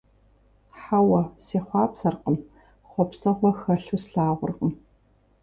Хьэуэ, сехъуапсэркъым, хъуэпсэгъуэ хэлъу слъагъуркъым.